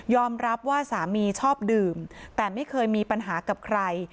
รับว่าสามีชอบดื่มแต่ไม่เคยมีปัญหากับใคร